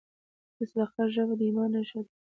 د صداقت ژبه د ایمان نښه ده.